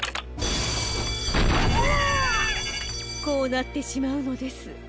こうなってしまうのです。